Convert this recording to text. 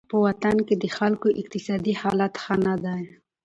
په وطن کې د خلکو اقتصادي حالت ښه نه دی.